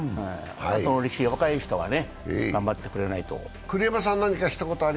あとの力士、若い人が頑張ってくれないと。